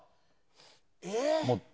えっ？